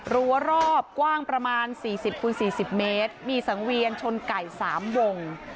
รั้วรอบกว้างประมาณสี่สิบคูณสี่สิบเมตรมีสังเวียนชนไก่สามวง